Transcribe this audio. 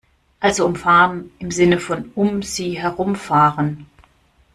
Also umfahren im Sinne von "um sie herum fahren".